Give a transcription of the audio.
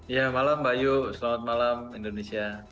ya malam mbak ayu selamat malam indonesia